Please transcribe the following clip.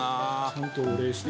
ちゃんとお礼して。